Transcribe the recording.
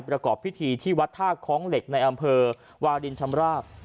ประกอบพิธีที่วัดท่าคล้องเหล็กในอำเภอวาลินชำราบ